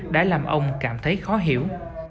đã làm ông cảm thấy khó hiểu